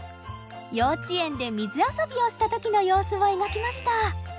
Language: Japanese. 幼稚園で水遊びをしたときの様子を描きました。